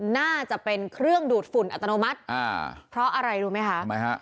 น่าจะเป็นเครื่องดูดฝุ่นอัตโนมัติอ่าเพราะอะไรรู้ไหมคะทำไมฮะ